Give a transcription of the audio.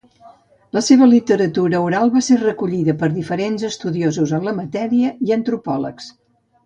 La seva literatura oral va ser recollida per diferents estudiosos en la matèria i antropòlegs.